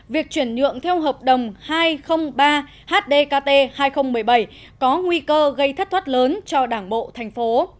việc chuyển nhượng theo hợp đồng hai trăm linh ba hdkt hai nghìn một mươi bảy có nguy cơ gây thất thoát lớn cho đảng bộ thành phố